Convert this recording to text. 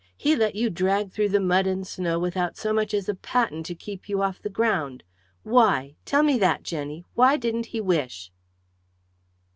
He let you drag through the mud and snow without so much as a patten to keep you off the ground. Why? Tell me that, Jenny! Why didn't he wish?"